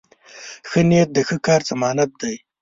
ښه نیت د ښه کار ضمانت دی.